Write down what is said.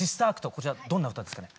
こちらどんな歌ですかね？